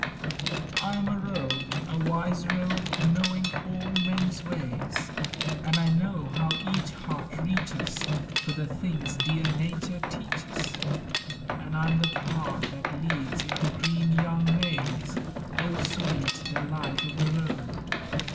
I am a Road; a wise road, knowing all men's ways; And I know how each heart reaches For the things dear Nature teaches; And I am the path that leads into green young Mays. Oh, sweet the life of a Road!